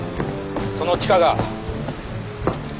その地下が。